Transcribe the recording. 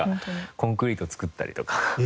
コンクリート作ってたんですか？